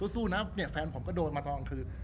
สู้นะแฟนผมก็โดนมาตอนกลางคือ